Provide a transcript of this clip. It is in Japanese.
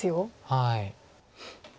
はい。